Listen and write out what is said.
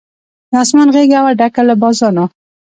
د آسمان غېږه وه ډکه له بازانو